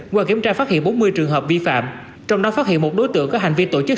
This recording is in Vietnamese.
qua kiểm tra phát hiện bốn mươi trường hợp vi phạm trong đó phát hiện một đối tượng có hành vi tổ chức